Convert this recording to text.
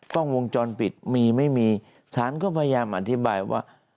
กล้องวงจรปิดมีไม่มีสารก็พยายามอธิบายว่า